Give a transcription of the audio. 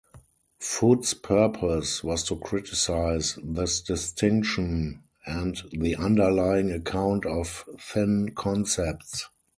Foot's purpose was to criticize this distinction and the underlying account of thin concepts.